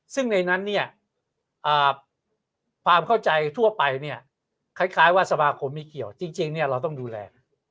ซึ่งในนั้นความเข้าใจทั่วไปคล้ายว่าสมาคมมีเกี่ยวจริงเราต้องดูแล